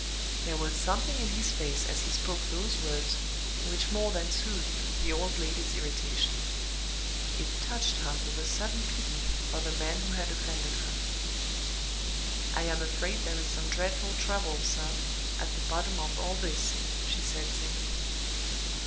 There was something in his face as he spoke those words which more than soothed the old lady's irritation: it touched her with a sudden pity for the man who had offended her. "I am afraid there is some dreadful trouble, sir, at the bottom of all this," she said, simply.